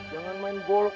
jangan main golok